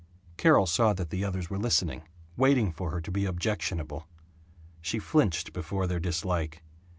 Carol saw that the others were listening, waiting for her to be objectionable. She flinched before their dislike.